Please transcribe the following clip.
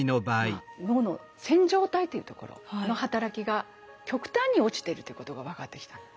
脳の線条体というところの働きが極端に落ちてるということが分かってきたんです。